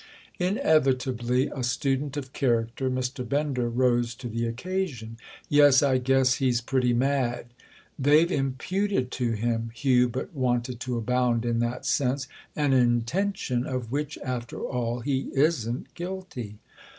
Inevitably a student of character, Mr. Bender rose to the occasion. "Yes, I guess he's pretty mad." "They've imputed to him"—Hugh but wanted to abound in that sense—"an intention of which after all he isn't guilty."